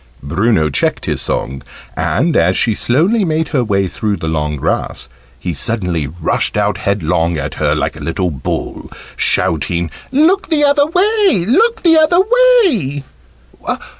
Bruno checked his song, and, as she slowly made her way through the long grass, he suddenly rushed out headlong at her like a little bull, shouting "Look the other way! Look the other way!"